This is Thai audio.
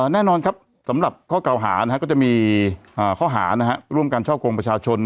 แน่นอนสำหรับข้อก่าวหาก็จะมีข้อหาร่วมกันเช่าโครงประชาชน